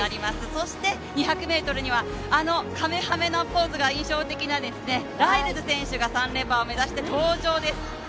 そして２００ｍにはあのかめはめ波のポーズが印象的なライルズ選手が３連覇を目指して登場です。